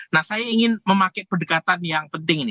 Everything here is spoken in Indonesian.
nah saya ingin memakai pendekatan yang penting nih